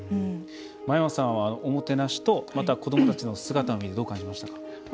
真山さんはおもてなしと子どもたちの姿を見てどう感じましたか？